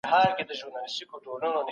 د پېښو اصلي لاملونه باید وپلټل سي.